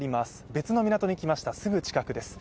別の港に来ました、すぐ近くです。